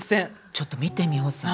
ちょっと見て美穂さん。